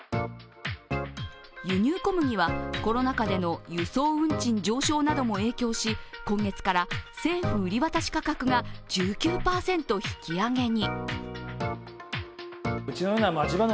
輸入小麦は、コロナ禍での輸送運賃上昇なども影響し今月から政府売り渡し価格が１９％引き上げに。